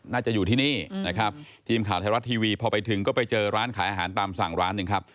น่าจะอยู่ที่นี่นะครับทีมข่าวไทยรัฐทีวีพอไปถึงก็ไปเจอร้านขายอาหารตามสั่งร้านหนึ่งครับ